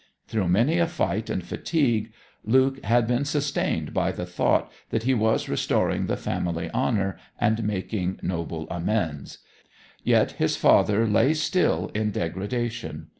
Through many a fight and fatigue Luke had been sustained by the thought that he was restoring the family honour and making noble amends. Yet his father lay still in degradation.